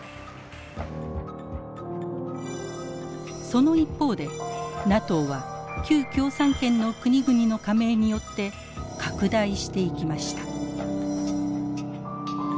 その一方でＮＡＴＯは旧共産圏の国々の加盟によって拡大していきました。